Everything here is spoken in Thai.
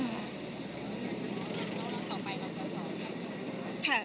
ค่ะจะสอนลูกให้ตามพ่อทุกอย่าง